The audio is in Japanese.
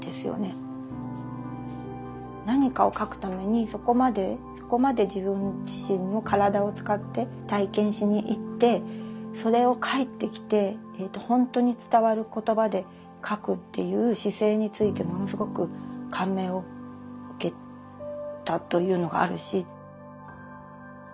何かを書くためにそこまでそこまで自分自身の体を使って体験しに行ってそれを帰ってきてほんとに伝わる言葉で書くっていう姿勢についてものすごく感銘を受けたというのがあるし。